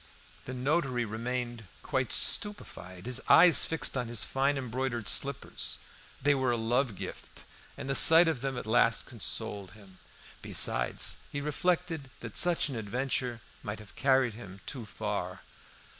The notary remained quite stupefied, his eyes fixed on his fine embroidered slippers. They were a love gift, and the sight of them at last consoled him. Besides, he reflected that such an adventure might have carried him too far.